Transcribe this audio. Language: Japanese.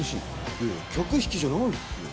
いやいや客引きじゃないっすよ